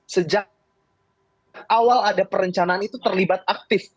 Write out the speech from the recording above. sejak awal ada perencanaan itu terlibat aktif